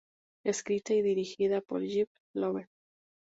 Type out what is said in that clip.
Escrita y dirigida por Jeff Lowell.